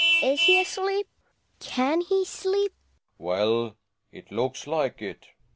Is he asleep ? Can he sleep ? Relling Well, it looks like it.